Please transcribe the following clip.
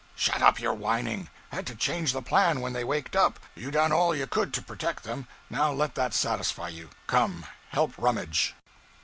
'Shut up your whining; had to change the plan when they waked up; you done all you could to protect them, now let that satisfy you; come, help rummage.'